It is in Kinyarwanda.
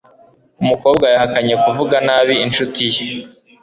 umukobwa yahakanye kuvuga nabi inshuti ye